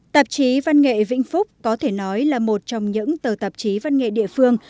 tạp chí văn nghệ vĩnh phúc có thể nói là một trong những tờ tạp chí văn nghệ địa phương